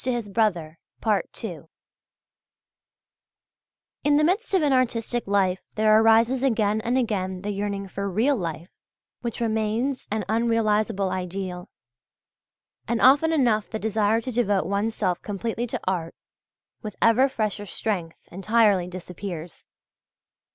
In the midst of an artistic life there arises again and again the yearning for real life, which remains an unrealizable ideal. And often enough the desire to devote one's self completely to art, with ever fresher strength, entirely disappears.